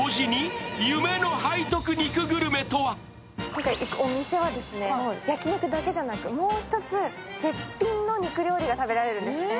今回行くお店は焼き肉だけじゃなくもう一つ、絶品の肉料理が食べられるんです。